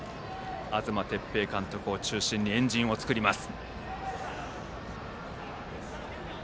東哲平監督を中心に円陣を作ります。